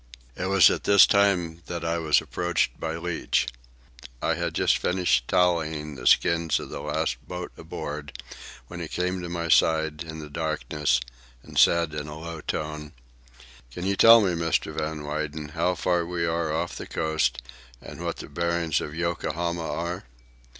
It was at this time that I was approached by Leach. I had just finished tallying the skins of the last boat aboard, when he came to my side, in the darkness, and said in a low tone: "Can you tell me, Mr. Van Weyden, how far we are off the coast, and what the bearings of Yokohama are?"